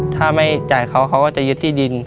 ถ้าไม่จ่ายเขาเขาก็จะยึดที่ดิน